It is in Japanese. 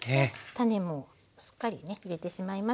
種もしっかりね入れてしまいます。